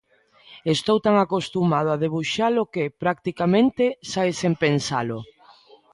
Estou tan acostumado a debuxalo que, practicamente, sae sen pensalo.